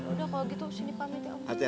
udah kalau gitu sini pamit ya om